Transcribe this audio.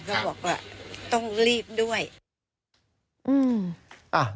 ก็บอกว่าต้องรีบด้วย